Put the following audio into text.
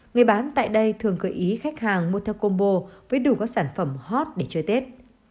người bán tại đây thường gợi ý khách hàng mua theo combo với đủ các sản phẩm hot để chơi tết